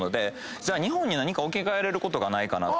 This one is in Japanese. じゃあ日本に何か置き換えれることがないかなと。